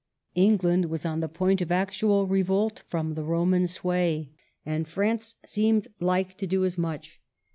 England was on the point of actual revolt from the Roman sway, and France seemed like to do as much.